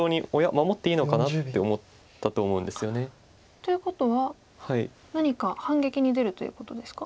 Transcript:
守っていいのかなって思ったと思うんですよね。ということは何か反撃に出るということですか？